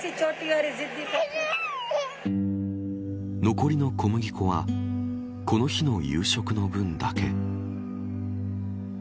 残りの小麦粉はこの日の夕食の分だけ。